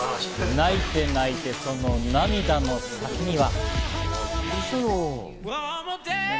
泣いて泣いて、その涙の先には。